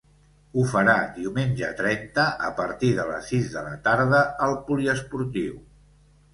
Ho farà diumenge, trenta, a partir de les sis de la tarda, al poliesportiu.